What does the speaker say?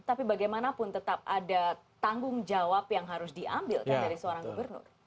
tapi bagaimanapun tetap ada tanggung jawab yang harus diambil kan dari seorang gubernur